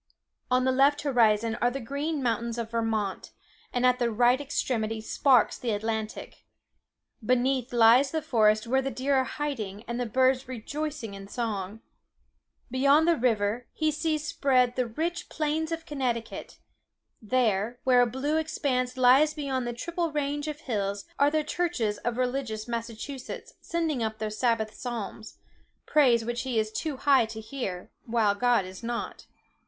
On the left horizon, are the green mountains of Vermont; and at the right extremity sparkles the Atlantic. Beneath lies the forest where the deer are hiding, and the birds rejoicing in song. Beyond the river, he sees spread the rich plains of Connecticut; there, where a blue expanse lies beyond the triple range of hills, are the churches of religious Massachusetts sending up their sabbath psalms—praise which he is too high to hear, while God is not.